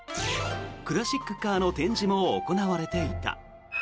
クラシックカーの展示も行われていた。